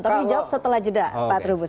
tapi dijawab setelah jeda pak trubus